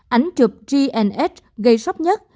ảnh chụp gns gây sốc nhẹ